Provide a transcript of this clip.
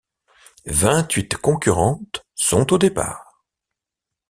Vingt-huit concurrentes sont au départ.